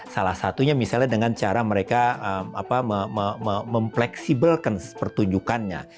salah satunya misalnya dengan cara mereka mempleksibelkan pertunjukannya